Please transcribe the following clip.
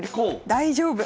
大丈夫。